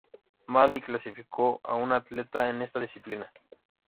Malí clasificó a un atleta en esta disciplina.